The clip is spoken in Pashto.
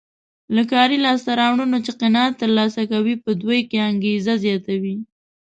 له کاري لاسته راوړنو چې قناعت ترلاسه کوي په دوی کې انګېزه زیاتوي.